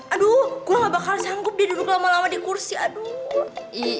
aduh gue gak bakal sanggup dia duduk lama lama di kursi aduh